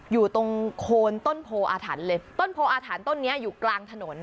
อยู่ตรงโคนต้นโพออาถรรพ์เลยต้นโพออาถรรพต้นนี้อยู่กลางถนน